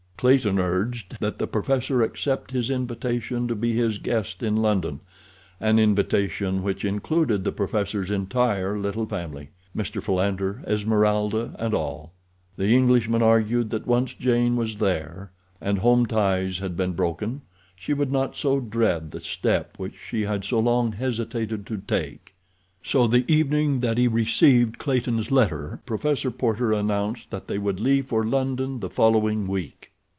Clayton urged that the professor accept his invitation to be his guest in London, an invitation which included the professor's entire little family—Mr. Philander, Esmeralda, and all. The Englishman argued that once Jane was there, and home ties had been broken, she would not so dread the step which she had so long hesitated to take. So the evening that he received Clayton's letter Professor Porter announced that they would leave for London the following week.